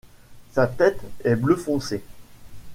Sa tête est bleu foncé.